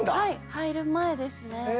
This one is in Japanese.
入る前ですね。